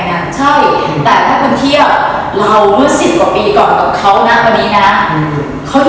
นั่นไม่ใช่สิ่งที่เกิดขึ้นแน่นอน